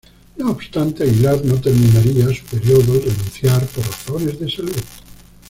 No obstante Aguilar no terminaría su período al renunciar por razones de salud.